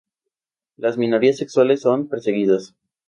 Las minorías sexuales son perseguidas.